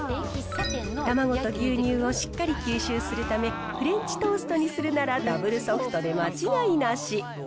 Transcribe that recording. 卵と牛乳をしっかり吸収するため、フレンチトーストにするならダブルソフトで間違いなし。